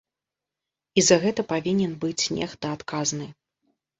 І за гэта павінен быць нехта адказны.